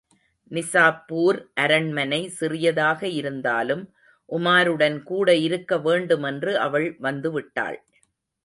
நிசாப்பூர் அரண்மனை சிறியதாக இருந்தாலும், உமாருடன் கூடஇருக்க வேண்டுமென்று அவள் வந்து விட்டாள்.